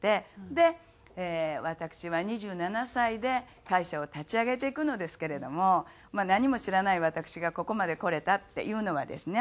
で私は２７歳で会社を立ち上げていくのですけれども何も知らない私がここまでこれたっていうのはですね